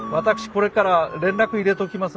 これから連絡入れときますので。